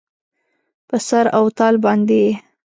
په سر او تال باندې یې